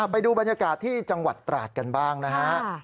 ไปดูบรรยากาศที่จังหวัดตราดกันบ้างนะฮะ